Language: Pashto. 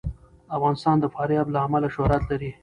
افغانستان د فاریاب له امله شهرت لري.